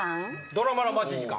ドラマの待ち時間。